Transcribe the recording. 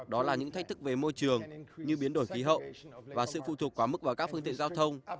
đó là những thách thức về môi trường như biến đổi khí hậu và sự phụ thuộc quá mức vào các phương tiện giao thông